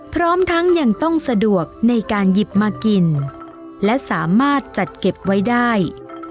พร้อมทั้งยังต้องสะดวกในการหยิบมากินและสามารถจัดเก็บไว้ได้